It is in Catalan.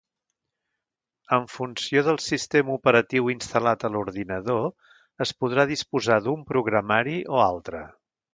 En funció del sistema operatiu instal·lat a l'ordinador es podrà disposar d'un programari o altre.